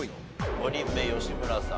５人目吉村さん